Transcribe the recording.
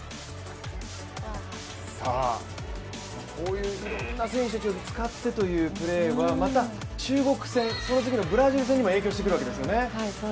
こういういろんな選手たちを使ってというプレーはまた中国戦、その次のブラジル戦にも影響してくるわけですよね。